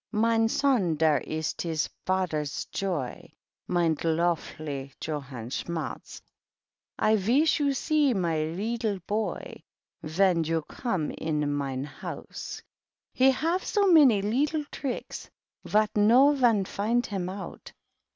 Mein son, der ist his vater^s joy ; Mdn hfely Johann Schmaus; I vish you see my leedle boy Ven you come in mein House. He haf so many leedle tricks Vot no von find him out.